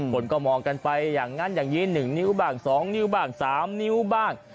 คนก็มองกันไปอย่างนั้นอย่างนี้๑นิ้วบ้าง๒นิ้วบ้าง๓นิ้วบ้าง